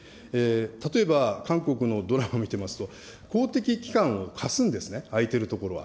例えば、韓国のドラマ見てますと、公的機関を貸すんですね、空いてる所は。